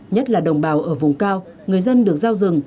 nhất là đồng bào ở vùng cao người dân được giao rừng